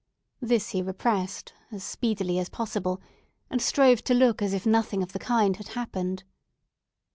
This he repressed as speedily as possible, and strove to look as if nothing of the kind had happened.